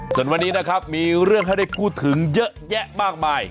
ส่วนวันนี้นะครับมีเรื่องให้ได้พูดถึงเยอะแยะมากมาย